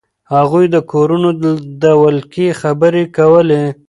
هغوی د کورونو د ولکې خبرې کولې.